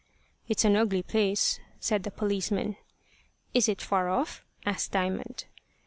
"It's an ugly place," said the policeman. "Is it far off?" asked Diamond.